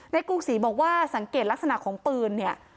กรุงศรีบอกว่าสังเกตลักษณะของปืนเนี่ย